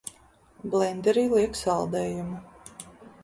Blenderī liek saldējumu.